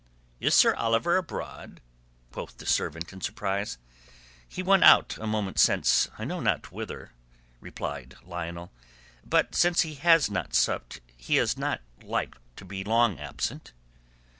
"Is Sir Oliver abroad?" quoth the servant in surprise. "He went out a moment since, I know not whither," replied Lionel. "But since he has not supped he is not like to be long absent."